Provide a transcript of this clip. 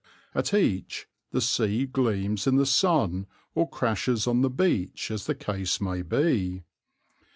At each the sea gleams in the sun or crashes on the beach as the case may be.